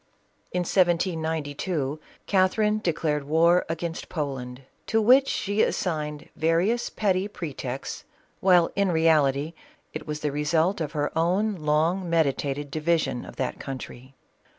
In 1792, Catherine declared war against Poland, to which she assigned various petty pretexts, while in reality, it was the result of her own long meditated di vision of that country.